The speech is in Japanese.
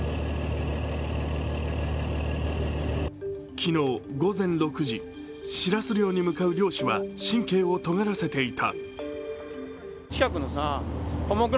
昨日午前６時、しらす漁に向かう漁師は神経をとがらせていた。